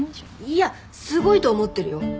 いやすごいと思ってるよ。